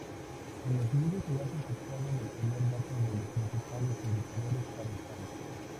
En los siguientes enlaces se pueden obtener datos de los principales indicadores para España.